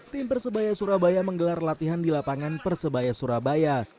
tim persebaya surabaya menggelar latihan di lapangan persebaya surabaya